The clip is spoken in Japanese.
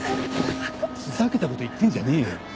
ふざけた事言ってんじゃねえよ。